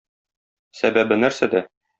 Сәбәбе нәрсәдә?